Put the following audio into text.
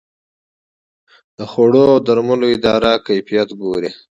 د خوړو او درملو اداره کیفیت ګوري